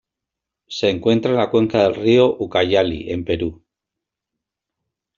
Se encuentra en la cuenca del río Ucayali, en Perú.